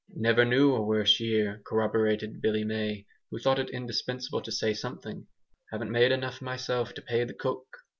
"Never knew a worse year," corroborated Billy May, who thought it indispensable to say something. "Haven't made enough, myself, to pay the cook."